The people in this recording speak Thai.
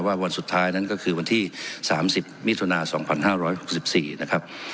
ว่าวันสุดท้ายนั้นก็คือวันที่สามสิบมิถุนาสองพันห้าร้อยหกสิบสี่นะครับ